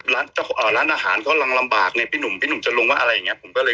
ร้านอาหารเขาลำบากไงพี่หนุ่มพี่หนุ่มจะลงว่าอะไรอย่างนี้